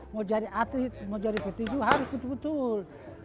mau jadi atlet mau jadi petinju harus betul betul